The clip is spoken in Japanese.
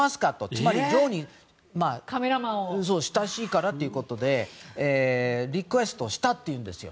つまり女王に親しいからということでリクエストしたというんですよ。